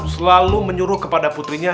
selalu menyuruh kepada putrinya